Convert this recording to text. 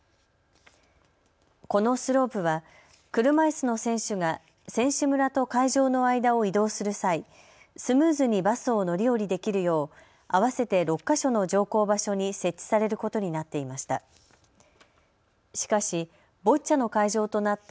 このスロープは車いすの選手が選手村と会場の間を移動する際、スムーズにバスを乗り降りできるよう合わせて６か所の乗降場所に設置されることになっていました。